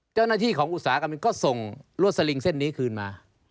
เจ้าหน้าที่ของอุตสาหกรรมก็ส่งรวดสลิงเส้นนี้คืนมา